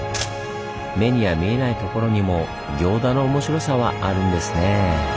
目には見えないところにも行田の面白さはあるんですねぇ。